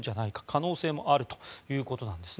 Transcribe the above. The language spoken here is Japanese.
可能性もあるということなんです。